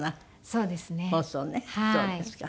そうですか。